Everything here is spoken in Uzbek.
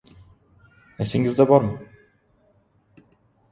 Esingizda bormi?